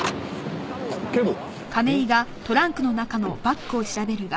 警部。